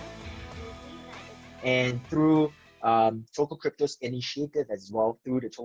dan melalui inisiatif toko kripto